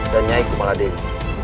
dan nyai kumaladewi